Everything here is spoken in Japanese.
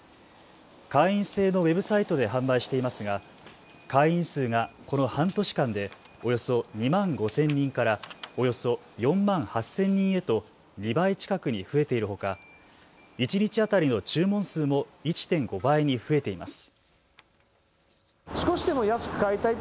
会員制のウェブサイトで販売していますが会員数がこの半年間でおよそ２万５０００人から、およそ４万８０００へと２倍近くに増えているほか一日当たりの注文数も１．５倍に増えています。